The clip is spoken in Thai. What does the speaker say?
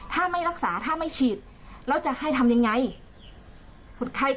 ถ้าไม่รักษาถ้าไม่ฉีดแล้วจะให้ทำยังไง